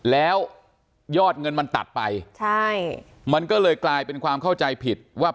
แล้วยอดเงินมันตัดไปใช่มันก็เลยกลายเป็นความเข้าใจผิดว่า